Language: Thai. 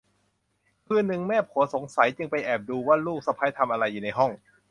คืนหนึ่งแม่ผัวสงสัยจึงไปแอบดูว่าลูกสะใภ้ทำอะไรอยู่ในห้อง